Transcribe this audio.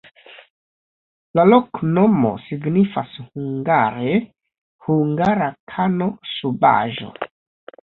La loknomo signifas hungare: hungara-kano-subaĵo.